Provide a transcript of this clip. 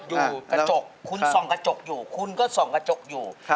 อยู่กระจกคุณส่องกระจกอยู่คุณก็ส่องกระจกอยู่